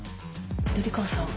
緑川さん